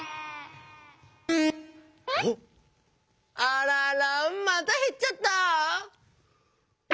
あららまたへっちゃった。